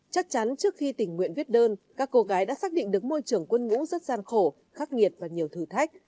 chắc chắn trước khi tình nguyện viết đơn các cô gái đã xác định được môi trường quân ngũ rất gian khổ khắc nghiệt và nhiều thử thách